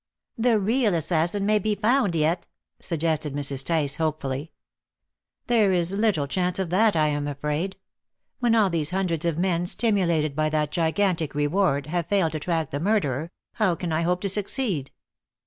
"The real assassin may be found yet," suggested Mrs. Tice hopefully. "There is little chance of that, I am afraid. When all these hundreds of men, stimulated by that gigantic reward, have failed to track the murderer, how can I hope to succeed?